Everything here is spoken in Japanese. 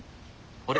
あれ？